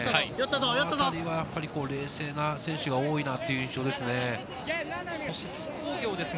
このあたりは冷静な選手が多いなという印象ですね。